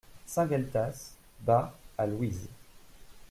SAINT-GUELTAS, bas, à Louise.